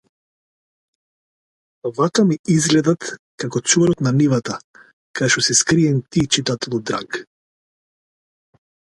Вака ми излгедат како чуварот на нивата кај шо си скриен ти читателу драг.